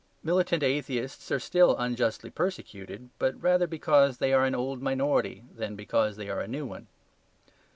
Militant atheists are still unjustly persecuted; but rather because they are an old minority than because they are a new one.